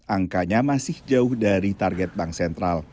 angkanya masih jauh dari target bank sentral